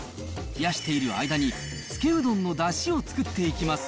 冷やしている間につけうどんのだしを作っていきます。